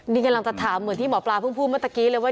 นี่กำลังจะถามเหมือนที่หมอปลาเพิ่งพูดเมื่อตะกี้เลยว่า